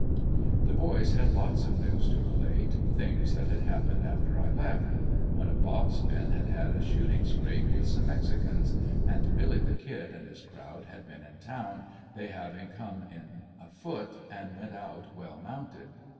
The boys had lots of news to relate, things that had happened after I left: One of "Bob's" men had had a shooting scrape with some mexicans; and "Billy the Kid" and his crowd had been in town, they having come in afoot, and went out well mounted.